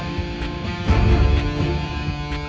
oow dikunjung gila elephant